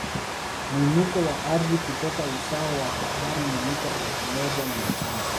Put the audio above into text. Mwinuko wa ardhi kutoka usawa wa bahari ni mita elfu moja mia tano